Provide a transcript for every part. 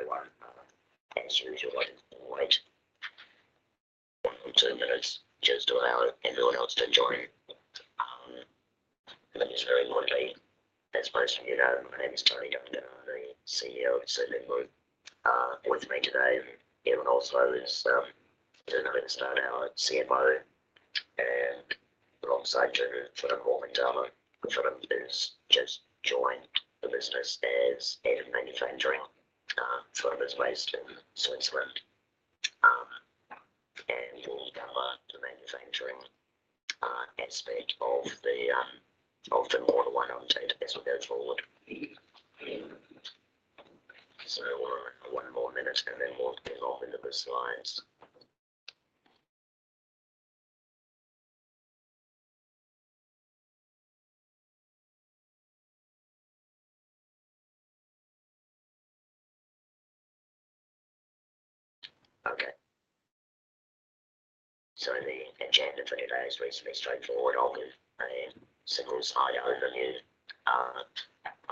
Good morning, everyone. As usual, I wait one or two minutes just to allow everyone else to join. But it's very lucky. As most of you know, my name is Tony Duncan. I'm the CEO of the Circa Group. With me today in Oslo is Tone Leivestad, our CFO, and alongside her, Philipp Morgenthaler. Philipp who's just joined the business as Head of Manufacturing. Philipp is based in Switzerland, and will cover the manufacturing aspect of the Model 100 as we go forward. One more minute, and then we'll get off into the slides. Okay. The agenda for today is reasonably straightforward. I'll give a simple slide overview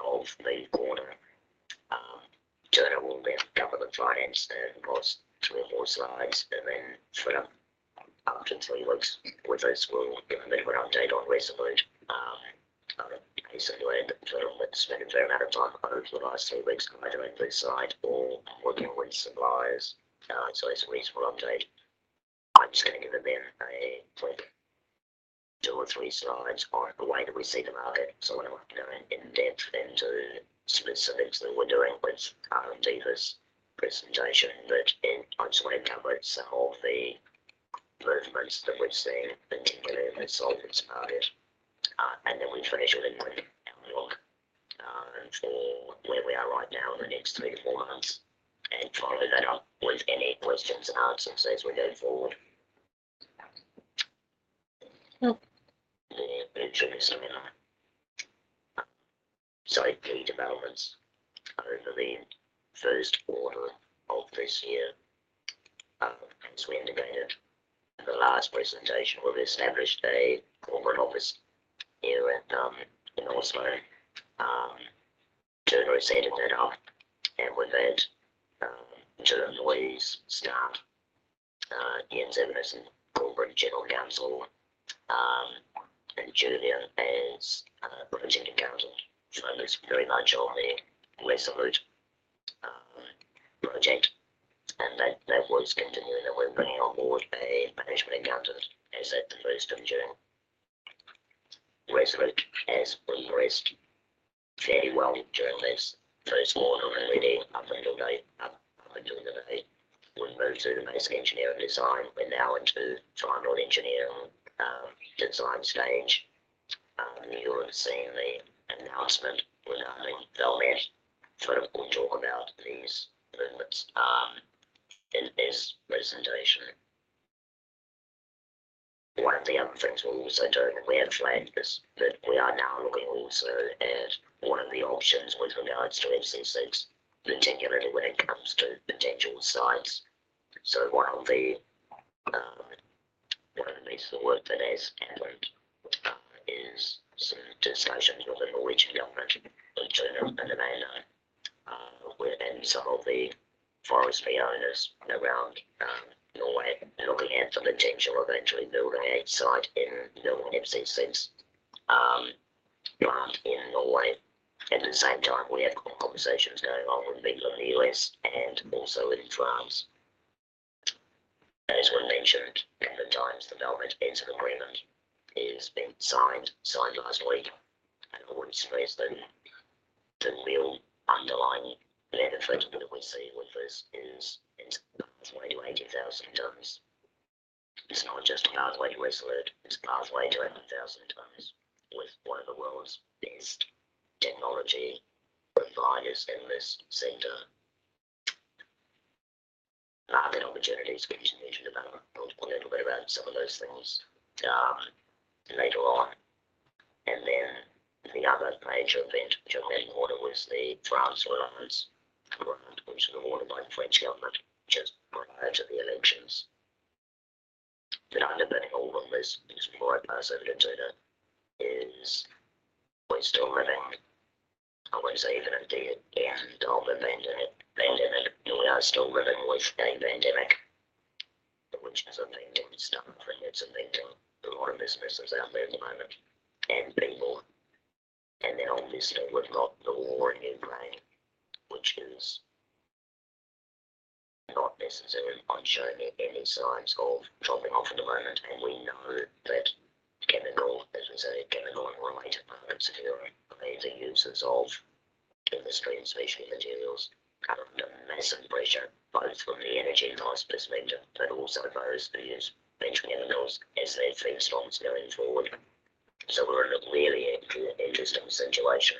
of the quarter. Tone will then cover the finance and cost, three or four slides, and then Philipp up to three weeks with us. We'll give a bit of an update on ReSolute. Basically, Tone Leivestad will spend a fair amount of time over the last three weeks either at the site or working with suppliers. It's a reasonable update. I'm just gonna give a bit, a quick two or three slides on the way that we see the market. I don't want to go in depth into specifics that we're doing with Tone Leivestad's presentation, but I just want to cover some of the movements that we've seen, particularly in the solvents part of it. We finish with an outlook for where we are right now in the next three to four months and follow that up with any questions and answers as we go forward. No. It should be similar. Key developments over the first quarter of this year. As we indicated in the last presentation, we've established a corporate office here in Oslo. Tone has headed that off. With that, two employees start, Jens Evensen, Corporate General Counsel, and Julia as Project Accountant. That's very much on the ReSolute project. That work's continuing, and we're bringing on board a Management Accountant as at the first of June. ReSolute has progressed fairly well during this first quarter, and up until today, we moved through the basic engineering design. We're now into final engineering design stage. You'll have seen the announcement with Valmet. Sort of we'll talk about these movements in this presentation. One of the other things we're also doing, and we have flagged this, but we are now looking also at what are the options with regards to MCC, particularly when it comes to potential sites. One of the pieces of work that has happened is some discussions with the Norwegian government in general under Enova with some of the forestry owners around Norway, looking at the potential of actually building a site in Norway, MCC plant in Norway. At the same time, we have conversations going on with people in the U.S. and also in France. As we mentioned at the time, the Valmet Heads of Agreement is being signed last week. What it says that the real underlying benefit that we see with this is pathway to 80,000 tons. It's not just a pathway to ReSolute, it's a pathway to 80,000 tons with one of the world's best technology providers in this sector. Opportunity is future development. We'll talk a little bit about some of those things later on. Then the other major event during that quarter was the France Relance grant to the project by French government just prior to the elections. The underpinning of all of this is quite positive in that we're still living, I wouldn't say even indeed in the middle of a pandemic. We are still living with a pandemic, which is affecting stuff and it's affecting a lot of businesses out there at the moment and people. Then obviously, we've got the war in Ukraine, which is not necessarily showing any signs of dropping off at the moment. We know that chemicals, as I say, chemicals and related products, if you're a major user of industrial and specialty materials, are under massive pressure, both from the energy price perspective, but also those who use basic chemicals as their feedstocks going forward. We're in a really interesting situation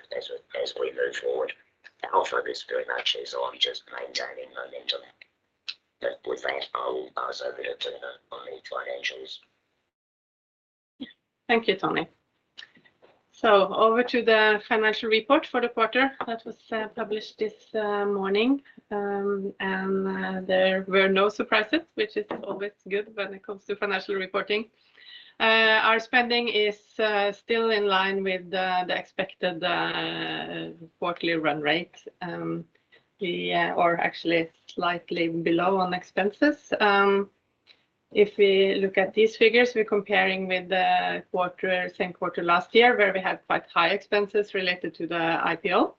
as we move forward. Half of this very much is on just maintaining momentum. With that, I'll pass over to Tone on financials. Thank you, Tony. Over to the financial report for the quarter that was published this morning. There were no surprises, which is always good when it comes to financial reporting. Our spending is still in line with the expected quarterly run rate. Actually slightly below on expenses. If we look at these figures, we're comparing with the same quarter last year where we had quite high expenses related to the IPO.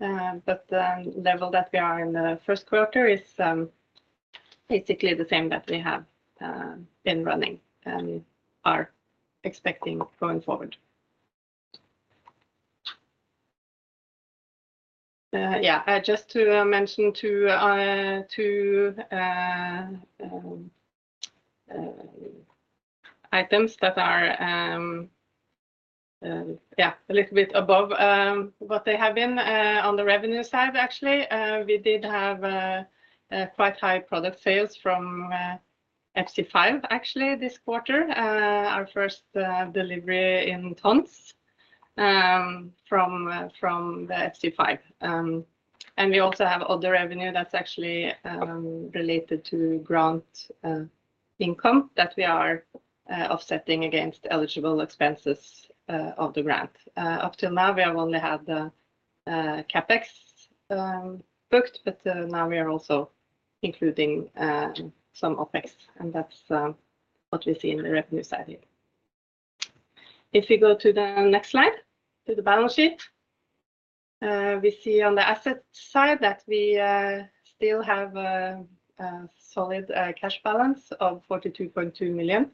The level that we are in the first quarter is basically the same that we have been running and are expecting going forward. Just to mention two items that are a little bit above what they have been on the revenue side actually. We did have quite high product sales from FC5 actually this quarter. Our first delivery in tons from the FC5. We also have other revenue that's actually related to grant income that we are offsetting against eligible expenses of the grant. Up till now, we have only had the CapEx booked, but now we are also including some OpEx, and that's what we see in the revenue side here. If you go to the next slide, to the balance sheet, we see on the asset side that we still have a solid cash balance of 42.2 million.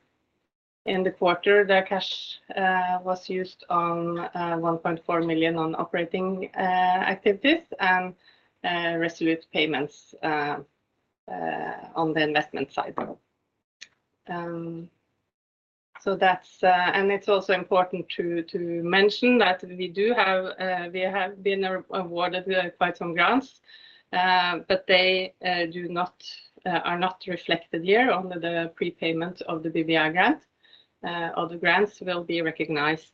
In the quarter, the cash was used on 1.4 million on operating activities and ReSolute payments on the investment side. It's also important to mention that we have been awarded quite some grants, but they are not reflected here on the prepayment of the BBI grant. Other grants will be recognized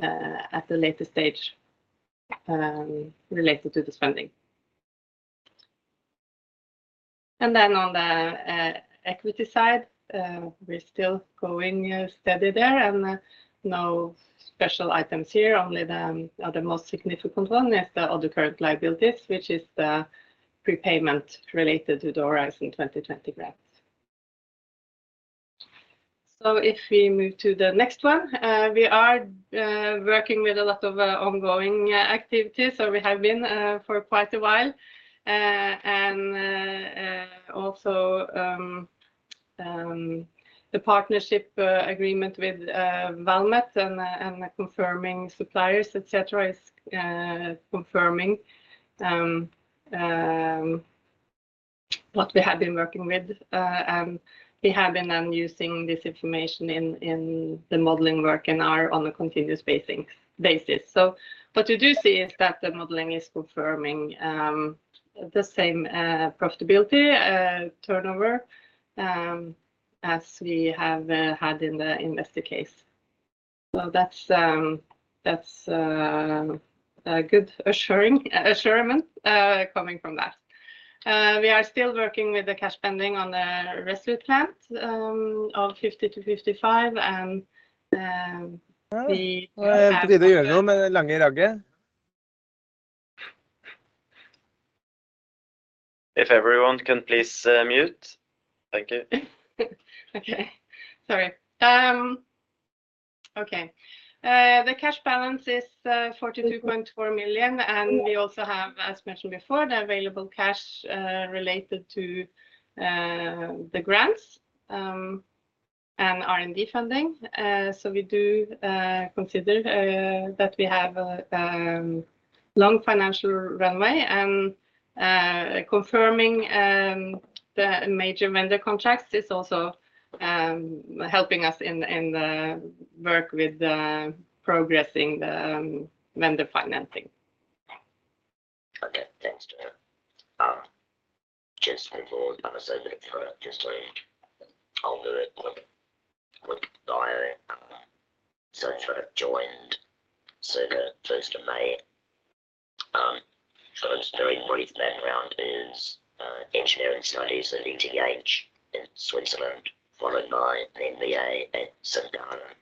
at the later stage related to the spending. On the equity side, we're still going steady there and no special items here. Only the most significant one is the other current liabilities, which is the prepayment related to the Horizon 2020 grants. If we move to the next one, we are working with a lot of ongoing activities, or we have been for quite a while. Also, the partnership agreement with Valmet and confirming suppliers, et cetera, is confirming what we have been working with. We have been then using this information in the modeling work and are on a continuous basis. What we do see is that the modeling is confirming the same profitability turnover as we have had in the case. That's a good assurance coming from that. We are still working with the cash spending on the ReSolute plant of EUR 50 to EUR 55. If everyone can please mute. Thank you. The cash balance is 42.4 million, and we also have, as mentioned before, the available cash related to the grants and R&D funding. We consider that we have a long financial runway. Confirming the major vendor contracts is also helping us in the work with progressing the vendor financing. Okay. Thanks. I sort of joined Circa 1st of May. My very brief background is engineering studies at ETH in Switzerland, followed by an MBA at St. Gallen.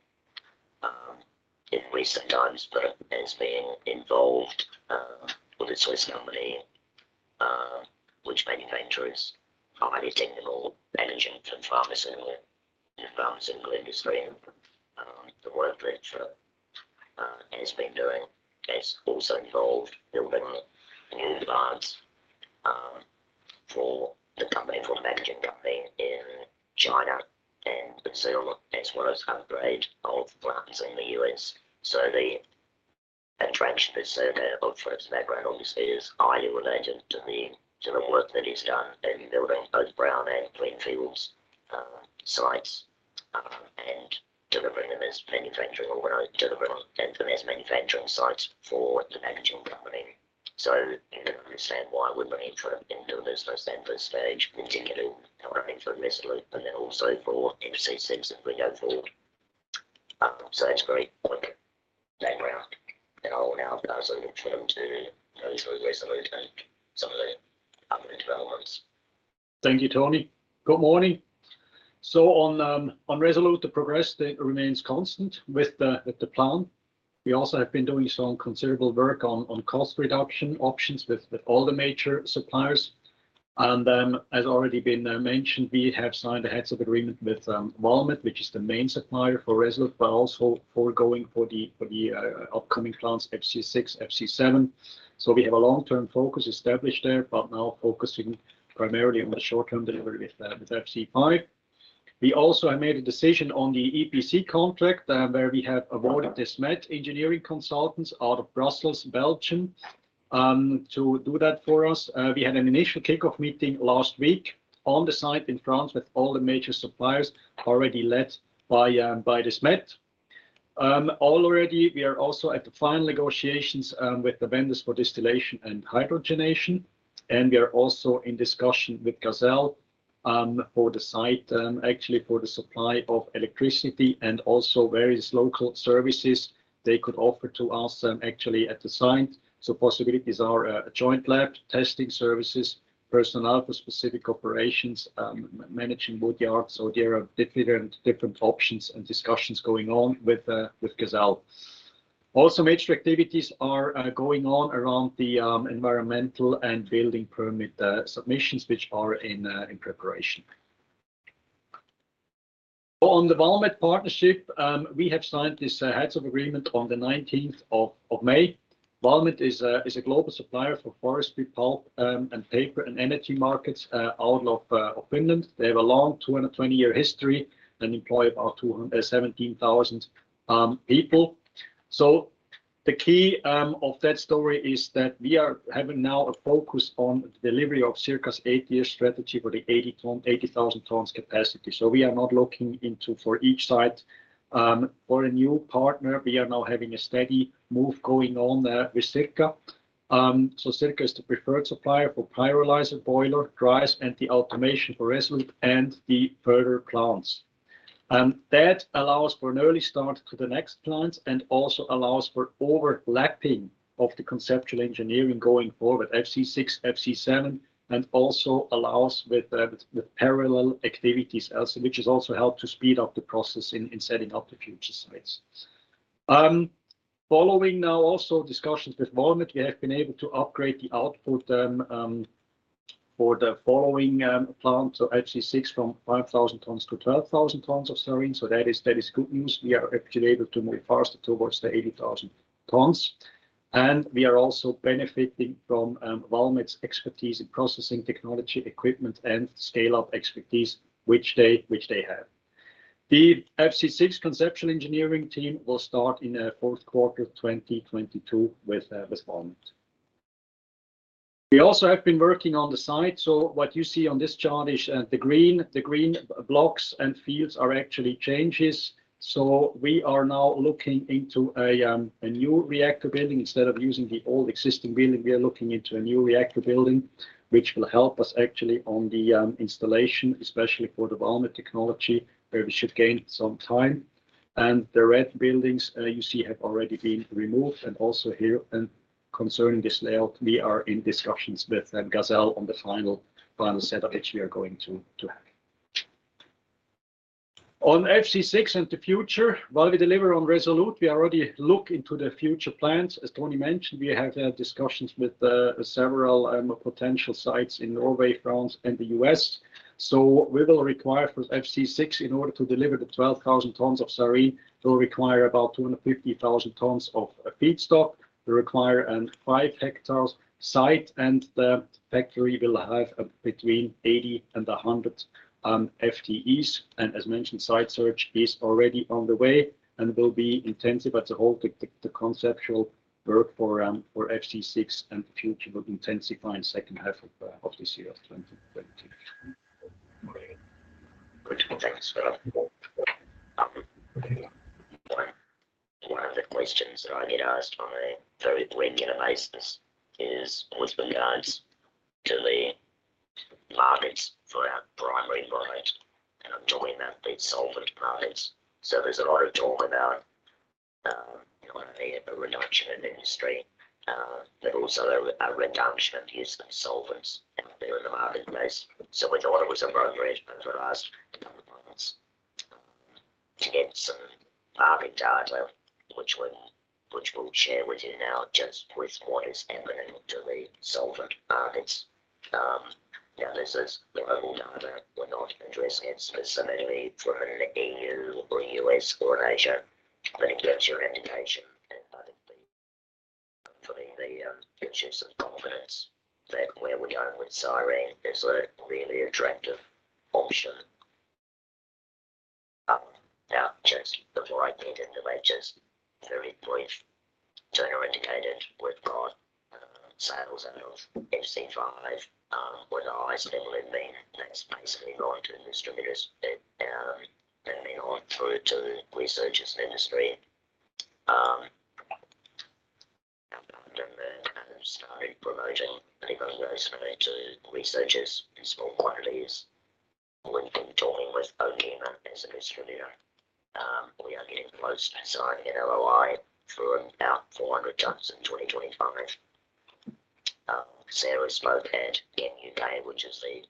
In recent times, I've been involved with a Swiss company which manufactures highly technical equipment for the pharmaceutical industry. The work I've been doing has also involved building new plants for the packaging company in China and Brazil, as well as upgrade old plants in the U.S. The attraction is sort of background obviously is highly related to the work that is done in building both brown and green fields, sites, and delivering them as manufacturing sites for the packaging company. You can understand why we're very interested in doing this first sample stage, in particular, how we're interested in ReSolute and then also for FC six as we go forward. It's very quick background, and I'll now pass over to him to run us through ReSolute and some of the upcoming developments. Thank you, Tony. Good morning. On ReSolute, the progress remains constant with the plan. We also have been doing some considerable work on cost reduction options with all the major suppliers. As already been mentioned, we have signed the heads of agreement with Valmet, which is the main supplier for ReSolute, but also for the upcoming plants FC6, FC7. We have a long-term focus established there, but now focusing primarily on the short-term delivery with FC5. We also have made a decision on the EPC contract, where we have awarded De Smet Engineers & Contractors out of Brussels, Belgium, to do that for us. We had an initial kickoff meeting last week on the site in France with all the major suppliers already led by De Smet. Already we are also at the final negotiations with the vendors for distillation and hydrogenation, and we are also in discussion with GazelEnergie for the site, actually for the supply of electricity and also various local services they could offer to us, actually at the site. Possibilities are a joint lab, testing services, personnel for specific operations, managing both yards. There are different options and discussions going on with GazelEnergie. Also, major activities are going on around the environmental and building permit submissions, which are in preparation. On the Valmet partnership, we have signed this heads of agreement on the nineteenth of May. Valmet is a global supplier for forestry pulp and paper and energy markets out of Finland. They have a long 220-year history and employ about 217,000 people. The key of that story is that we are having now a focus on the delivery of Circa's eight-year strategy for the 80,000 tons capacity. We are not looking into for each site or a new partner. We are now having a steady move going on there with Circa. Circa is the preferred supplier for pyrolyzer, boiler, dryers, and automation for ReSolute and the further plants. That allows for an early start to the next plant and also allows for overlapping of the conceptual engineering going forward, FC6, FC7, and also allows with parallel activities also, which has also helped to speed up the process in setting up the future sites. Following now also discussions with Valmet, we have been able to upgrade the output for the following plant, so FC6 from 5,000 tons to 12,000 tons of Cyrene. That is good news. We are actually able to move faster towards the 80,000 tons. We are also benefiting from Valmet's expertise in processing technology, equipment, and scale-up expertise which they have. The FC6 conceptual engineering team will start in fourth quarter of 2022 with Valmet. We also have been working on the site. What you see on this chart is the green. The green blocks and fields are actually changes. We are now looking into a new reactor building. Instead of using the old existing building, we are looking into a new reactor building, which will help us actually on the installation, especially for the Valmet technology, where we should gain some time. The red buildings you see have already been removed. Also here, concerning this layout, we are in discussions with GazelEnergie on the final setup that we are going to have. On FC6 and the future, while we deliver on ReSolute, we already look into the future plans. As Tony mentioned, we have had discussions with several potential sites in Norway, France, and the U.S. We will require for FC6 in order to deliver the 12,000 tons of Cyrene. It will require about 250,000 tons of feedstock. We require a five-hectare site, and the factory will have between 80 and 100 FTEs. As mentioned, site search is already on the way and will be intensive. The conceptual work for FC6 and the future will intensify in second half of this year of 2022. Good. Thanks, Scott. One of the questions that I get asked on a very weekly basis is with regards to the markets for our primary product, and I'm talking about the solvent products. There's a lot of talk about, you know, the reduction in industry, but also a reduction of use of solvents out there in the marketplace. We thought it was appropriate for us to get some market data, which we'll share with you now just with what is happening to the solvent markets. Now this is global data. We're not addressing it specifically from an EU or a U.S. or an Asia, but it gives you an indication and I think hopefully the sense of confidence that where we're going with Cyrene is a really attractive option. Now just before I get into that, just very brief, Tony indicated we've got sales out of FC5 were the highest they've ever been. That's basically going to distributors and then on through to researchers, industry. Currently promoting people who are exposed to researchers in small quantities. We've been talking with OQEMA as a distributor. We are getting close to sign an LOI for about 400 tons in 2025. Sarah spoke at CHEMUK, which is the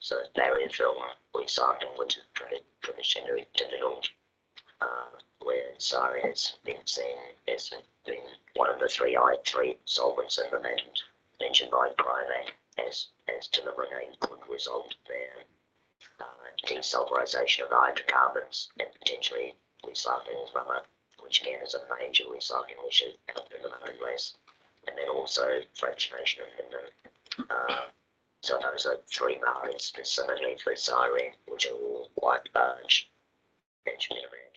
prominent chemicals exhibition, a couple of months ago based in Birmingham. Then as we have a first published on Cyrene in October on a recycling incentive. BASF and Pirelli were recycling, which is traditionally difficult, where Cyrene has been seen as being one of the three REACH solvents that were mentioned by Pirelli as to the remain good result there. Desulfurization of hydrocarbons and potentially recycling as well, which again is a major recycling issue coming up anyways. Fractionation of hemicellulose. Those are three markets specifically through Cyrene, which are all quite large engineering.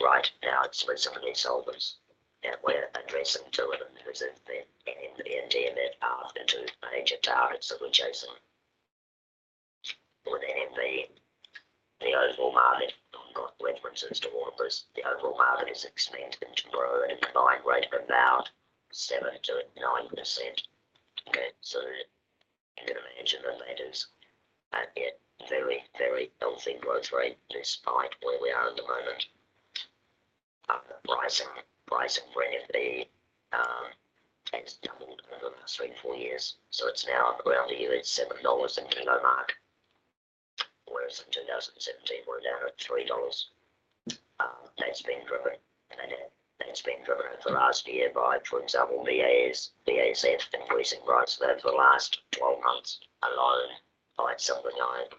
Right now, it's specifically solvents, and we're addressing two of them as the NMP and DMF are the two major targets that we're chasing. With NMP, the overall market, I've got references to all of this, the overall market is expanding to grow at a combined rate of about 7% to 9%. You can imagine that that is a very, very healthy growth rate despite where we are at the moment. The pricing for NMP has doubled over the past three to four years. It's now around the $7 a kilo mark, whereas in 2017, we're down at $3. That's been driven for the last year by, for example, BASF increasing prices over the last 12 months alone by something like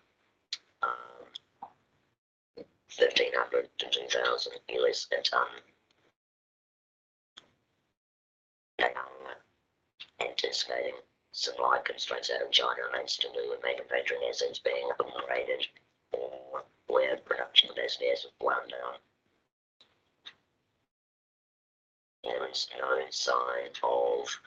$1,500-$2,000 a ton. They are anticipating supply constraints out of China and that's to do with measured patrons essence being upgraded or where production has been wound down. There is no sign of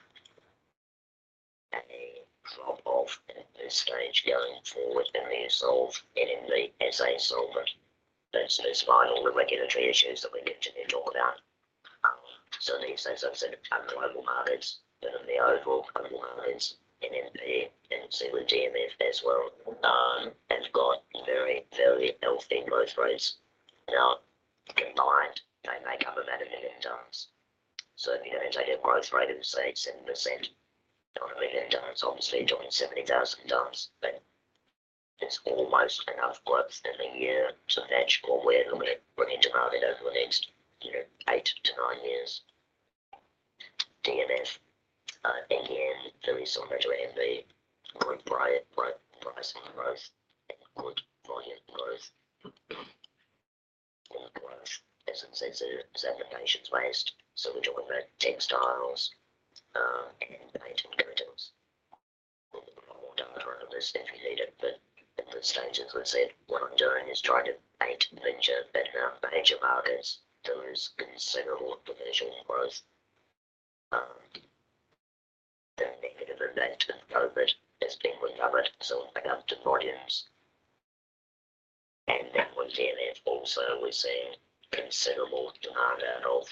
a drop-off at this stage going forward in the use of NMP as a solvent. That's despite all the regulatory issues that we continue to talk about. As I said, the global markets, the overall global markets, NMP and similar DMF as well, have got very, fairly healthy growth rates. Now, combined, they make up about 1 million tons. If you're going to take a growth rate of, say, 7% on 1 million tons, obviously you're talking 70,000 tons. It's almost enough growth in a year to match what we're looking to bring into market over the next, you know, 8 to 9 years. DMF, again, very similar to NMP, good price growth, good volume growth. Good growth as it says here, it's applications-based, so we're talking about textiles, and paint and coatings. I've got more data on this if you need it, but at this stage, as I said, what I'm doing is trying to paint a picture about major markets. There is considerable divisional growth. The negative effect of COVID has been recovered, so we're back up to volumes. Then with DMF also, we're seeing considerable demand out of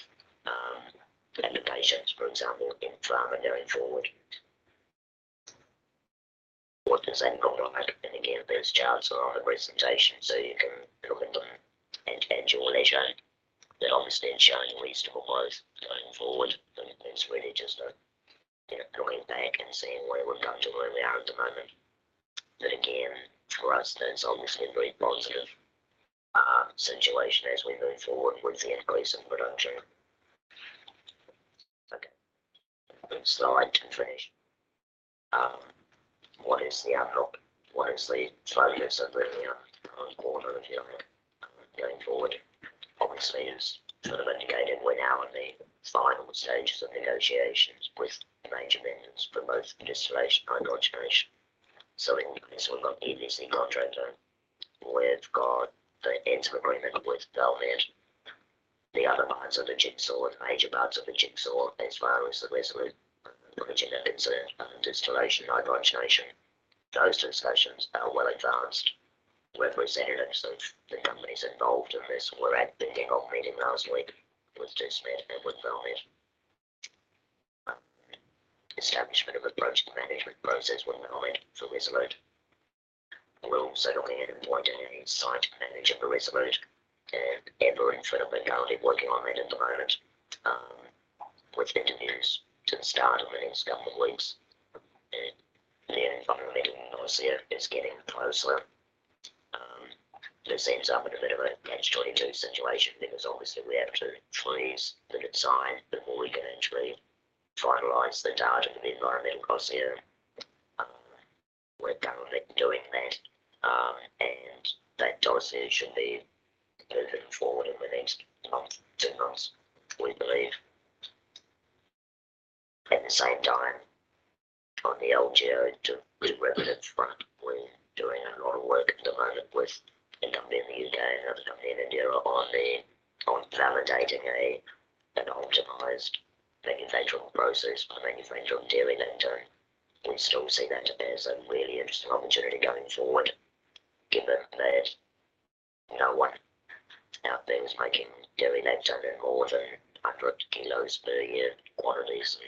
applications, for example, in pharma going forward. What does that look like? Again, those charts are on the presentation, so you can look at them at your leisure. Obviously, it's showing reasonable growth going forward, and it's really just you know, looking back and seeing where we've got to where we are at the moment. Again, for us, that's obviously a very positive situation as we move forward with the increase in production. Okay. Next slide to finish. What is the outlook? What is the focus of the near term quarter if you like going forward? Obviously, as sort of indicated, we're now in the final stages of negotiations with major vendors for both distillation, hydrogenation. In this, we've got EPC contractor. We've got the interim agreement with Valmet. The other parts of the jigsaw, the major parts of the jigsaw, as far as the ReSolute project are concerned are distillation, hydrogenation. Those discussions are well advanced with representatives of the companies involved in this. We're at the kick-off meeting last week with De Smet and with Valmet. Establishment of approach to management process with Valmet for ReSolute. We're also looking at appointing a site manager for ReSolute, and Amber and Philipp already working on that at the moment, with interviews to start within the next couple of weeks. The environmental dossier is getting closer. This ends up in a bit of a catch-22 situation because obviously we have to freeze the design before we can actually finalize the data for the environmental dossier. We're currently doing that, and that dossier should be moving forward in the next month, two months, we believe. On the LGO to revenue front, we're doing a lot of work at the moment with a company in the U.K. and another company in India on validating an optimized manufacturing route for manufacturing dairy lactose. We still see that as a really interesting opportunity going forward, given that no one out there is making dairy lacto in more than 100 kilos per year quantities.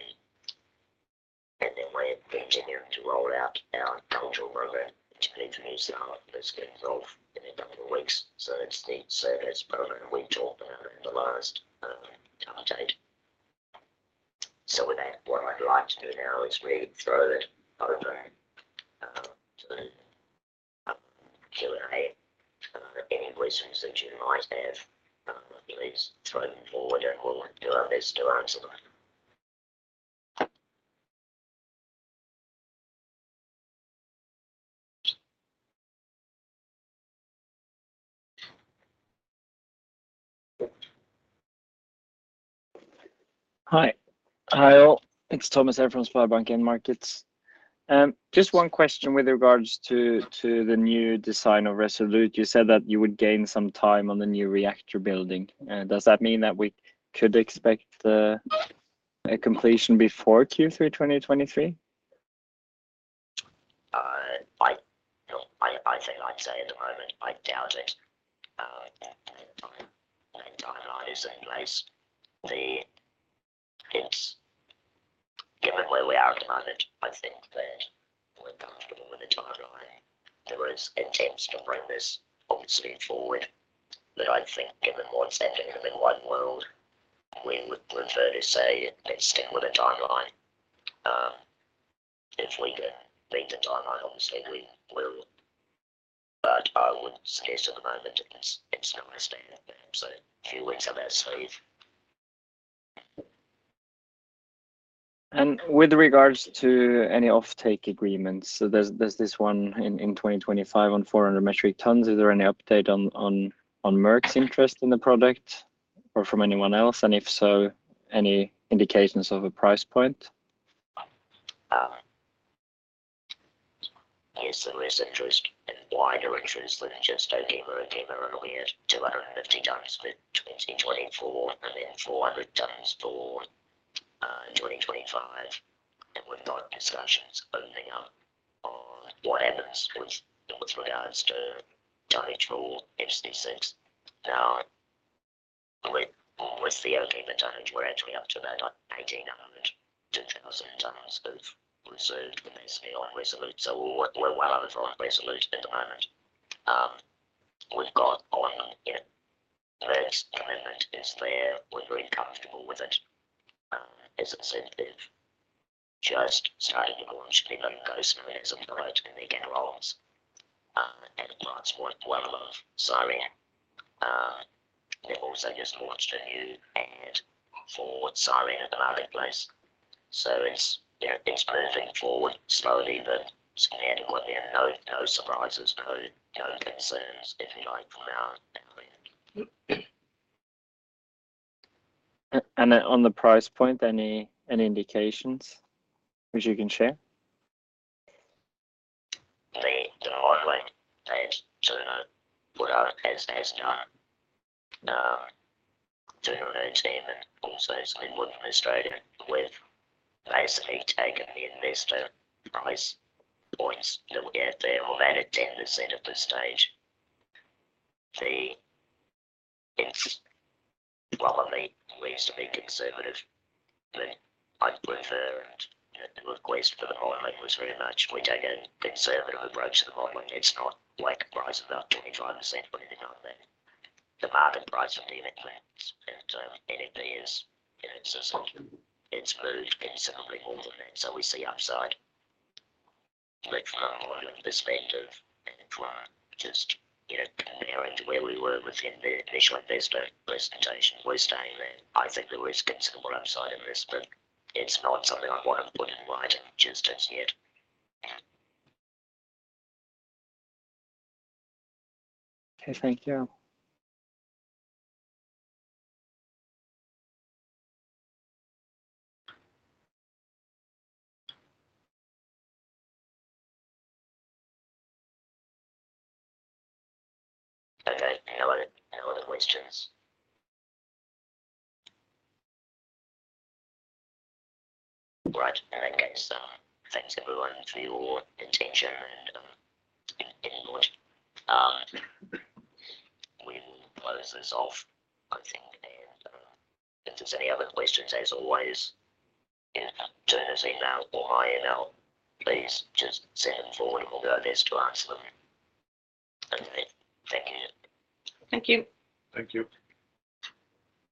We're continuing to roll out our cultural program, which Philipp mentioned, that's getting off in a couple of weeks. It's the surveys program we talked about in the last update. With that, what I'd like to do now is really throw it over to Q&A. Any questions that you might have, please throw them forward and we'll do our best to answer them. Hi all. It's Thomas here from SpareBank 1 Markets. Just one question with regards to the new design of ReSolute. You said that you would gain some time on the new reactor building. Does that mean that we could expect the completion before Q3 2023? Look, I think I'd say at the moment, I doubt it. The timeline is in place. Given where we are at the moment, I think that we're comfortable with the timeline. There was intent to bring this obviously forward, but I think given what's happening in the wider world, we would prefer to say, "Let's stick with the timeline." If we can beat the timeline, obviously, we will. I would suggest at the moment it's gonna stay there. That saves a few weeks. With regards to any off-take agreements, so there's this one in 2025 on 400 metric tons. Is there any update on Merck's interest in the product or from anyone else? If so, any indications of a price point? Yes, there is interest and wider interest than just OQEMA. OQEMA are looking at 250 tons for 2024 and then 400 tons for 2025. We've got discussions opening up on what happens with regards to tonnage for FC6. Now, with the OQEMA tonnage, we're actually up to about, like, 1,800-2,000 tons of reserved capacity on ReSolute. We're well over on ReSolute at the moment. We've got on, you know, Merck's commitment is there. We're very comfortable with it. As I said, they've just started to launch in a go-slow manner as of late in their controls, and that's worth well over Cyrene. They've also just launched a new ad for Cyrene in the marketplace. It's, yeah, it's moving forward slowly, but adequately, and no surprises, no concerns, if you like, from our end. On the price point, any indications which you can share? The modeling that Tone put out has done. Tone and her team and also Linwood from Australia. We've basically taken the investor price points that were out there. We've added 10% at this stage. Well, I mean, we used to be conservative, but I'd prefer, you know, the request for the modeling was very much we take a conservative approach to the modeling. It's not like a price about 25% or anything like that. The market price of the NMP, you know, it's moved considerably more than that. So we see upside. But from a modeling perspective and from just, you know, comparing to where we were within the initial investor presentation, we're staying there. I think there is considerable upside in this, but it's not something I wanna put in writing just as yet. Okay. Thank you. Okay. Any other questions? Right. In that case, thanks everyone for your attention and input. We'll close this off, I think. If there's any other questions, as always, you know, turn to us, email or IM us, please just send them forward and we'll do our best to answer them. Okay. Thank you. Thank you. Thank you.